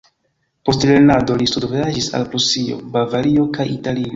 Post lernado li studvojaĝis al Prusio, Bavario kaj Italio.